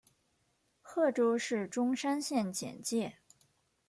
贺州市钟山县简介